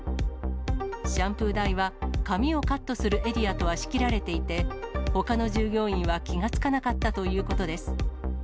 シャンプー台は、髪をカットするエリアとは仕切られていて、ほかの従業員は気が付かなかったということです。